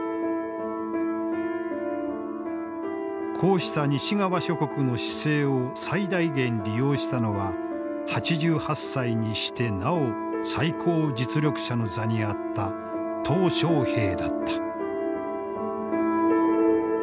こうした西側諸国の姿勢を最大限利用したのは８８歳にしてなお最高実力者の座にあった小平だった。